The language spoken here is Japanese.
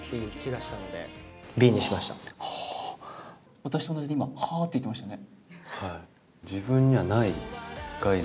私と同じで今、はぁって言ってましたね。